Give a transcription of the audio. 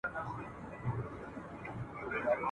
دروازه د هر طبیب یې ټکوله !.